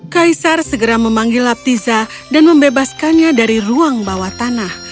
kaisar segera memanggil laptiza dan membebaskannya dari ruang bawah tanah